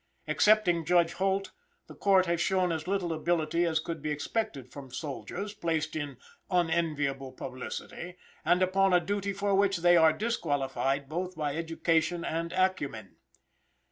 Excepting Judge Holt, the court has shown as little ability as could be expected from soldiers, placed in unenviable publicity, and upon a duty for which they are disqualified, both by education and acumen.